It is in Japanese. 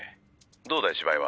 「どうだい芝居は？」